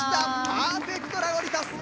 パーフェクトラゴリ達成！